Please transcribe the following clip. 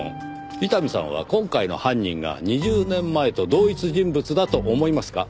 伊丹さんは今回の犯人が２０年前と同一人物だと思いますか？